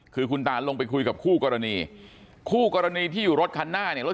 คือคุณตาลงไปคุยกับคู่กรณีคู่กรณีที่อยู่รถคันหน้าเนี่ยรถ